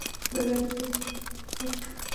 د دریځ بدلېدل خلک خوشحاله کړل.